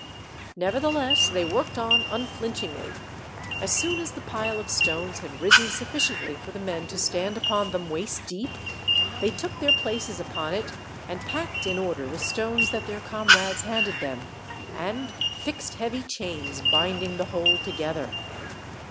Nevertheless, they worked on unflinchingly. As soon as the pile of stones had risen sufficiently for the men to stand upon them, waist deep, they took their places upon it, and packed in order the stones that their comrades handed them, and fixed heavy chains binding the whole together.